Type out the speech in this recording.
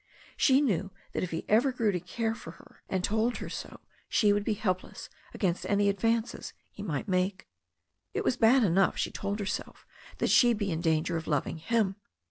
She knew that if he ever grew to care for her and told her so she would be helpless against any advances he might make. It was bad enough, she told herself, that she be in danger of loving him.